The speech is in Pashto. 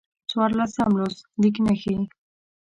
څوارلسم لوست: لیک نښې